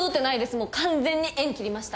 もう完全に縁切りました！